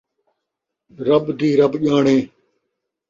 رب دی رب ڄاݨے